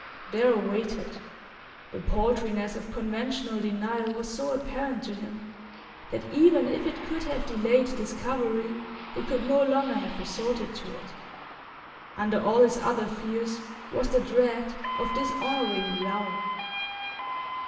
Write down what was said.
Darrow waited. The paltriness of conventional denial was so apparent to him that even if it could have delayed discovery he could no longer have resorted to it. Under all his other fears was the dread of dishonouring the hour.